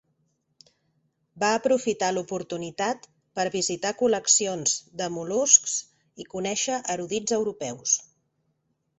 Va aprofitar l'oportunitat per visitar col·leccions de mol·luscs i conèixer erudits europeus.